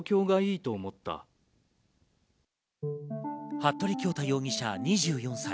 服部恭太容疑者、２４歳。